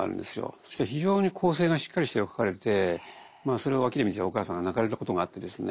そしたら非常に構成がしっかりした絵を描かれてそれを脇で見てたお母さんが泣かれたことがあってですね